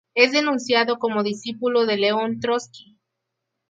Es denunciado como discípulo de Leon Trotsky.